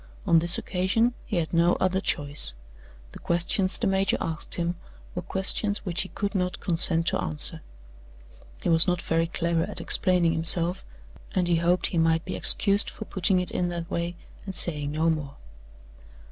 On this occasion he had no other choice. The questions the major asked him were questions which he could not consent to answer. He was not very clever at explaining himself, and he hoped he might be excused for putting it in that way, and saying no more.